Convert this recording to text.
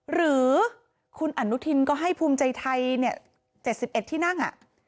หรือคุณอนุทินก็ให้ภูมิใจไทย๗๑ที่นั่ง